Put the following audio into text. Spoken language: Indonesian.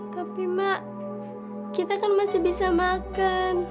tapi mak kita kan masih bisa makan